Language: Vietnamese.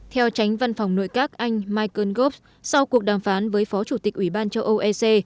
theo tránh văn phòng nội các anh michael gove sau cuộc đàm phán với phó chủ tịch ủy ban châu âu ec